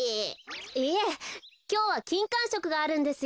いえきょうはきんかんしょくがあるんですよ。